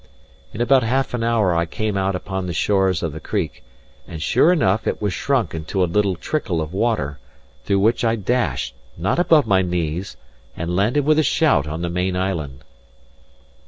In about half an hour I came out upon the shores of the creek; and, sure enough, it was shrunk into a little trickle of water, through which I dashed, not above my knees, and landed with a shout on the main island.